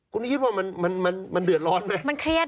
คุณคิดว่ามันเดือดร้อนไหม